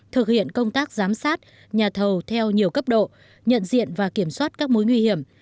thực hiện công tác giám sát nhà thầu theo nhiều cấp độ nhận diện và kiểm soát các mối nguy hiểm